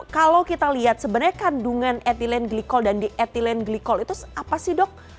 kalau kita lihat sebenarnya kandungan ethylene glycol dan di ethylene glycol itu apa sih dok